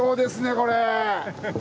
これ。